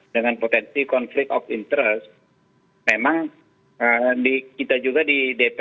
dengan potensi konflik of interest memang kita juga di dpr